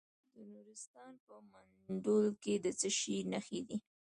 د نورستان په مندول کې د څه شي نښې دي؟